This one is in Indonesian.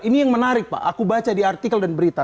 ini yang menarik pak aku baca di artikel dan berita